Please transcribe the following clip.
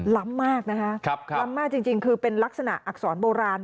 ล้ำมากนะคะล้ำมากจริงคือเป็นลักษณะอักษรโบราณ